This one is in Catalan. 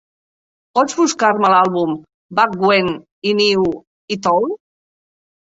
Pots buscar-me l'àlbum Back When I Knew It All?